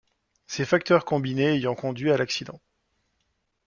Ces facteurs combinés ayant conduits à l'accident.